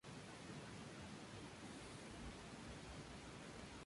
Su lema de campaña fue "Vamos a cambiar juntos".